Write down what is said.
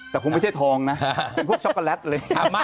แต่คงไม่ใช่ทองนะเป็นพวกช็อกโกแลตเลย